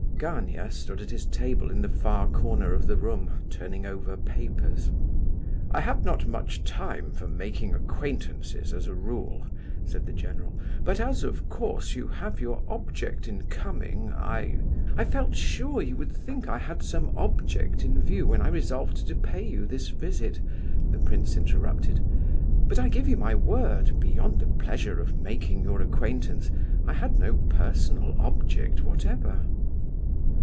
Gania stood at his table in the far corner of the room, turning over papers. "I have not much time for making acquaintances, as a rule," said the general, "but as, of course, you have your object in coming, I—" "I felt sure you would think I had some object in view when I resolved to pay you this visit," the prince interrupted; "but I give you my word, beyond the pleasure of making your acquaintance I had no personal object whatever."